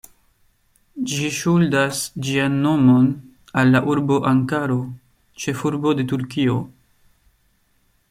Ĝi ŝuldas ĝian nomon al la urbo Ankaro, ĉefurbo de Turkio.